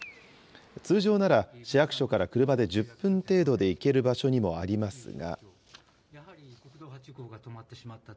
通常なら市役所から車で１０分程度で行ける場所にもありますが。